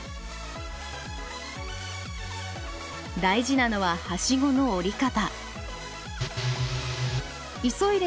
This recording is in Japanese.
大事なのははしごの降り方。